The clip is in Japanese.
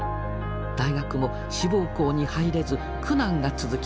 大学も志望校に入れず苦難が続きました。